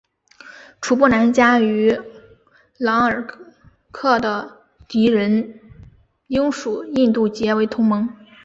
楚布南嘉与廓尔喀的敌人英属印度结为同盟。